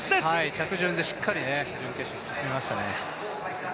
着順でしっかり準決勝に進みましたね。